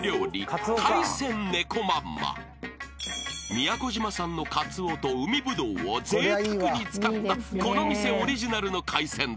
［宮古島産のカツオと海ぶどうをぜいたくに使ったこの店オリジナルの海鮮丼］